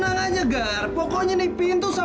gile aku likin lo miunji di teman